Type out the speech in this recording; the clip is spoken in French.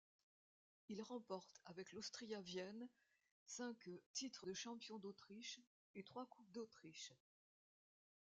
Il remporte avec l'Austria Vienne, cinq titres de champion d'Autriche, et trois Coupes d'Autriche.